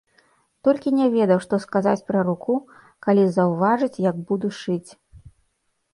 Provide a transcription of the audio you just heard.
Толькі не ведаў, што сказаць пра руку, калі заўважыць, як буду шыць.